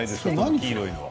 黄色いのは。